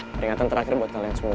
peringatan terakhir buat kalian semua